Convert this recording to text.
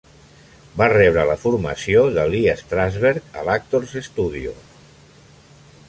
Va rebre la formació de Lee Strasberg a l'Actors Studio.